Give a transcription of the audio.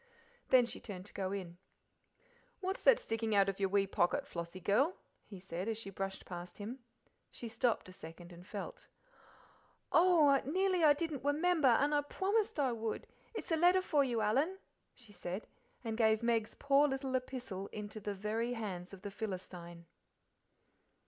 Then she turned to go in. "What's that sticking out of your wee pocket, Flossie girl?" he said, as she brushed past him. She stopped a second and felt. "Oh, nearly I didn't wemember, an' I pwomised I would it's a letter for you, Alan," she said, and gave Meg's poor little epistle up into the very hands of the Philistine.